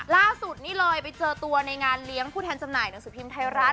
ล่าสุดนี่เลยไปเจอตัวในงานเลี้ยงผู้แทนจำหน่ายหนังสือพิมพ์ไทยรัฐ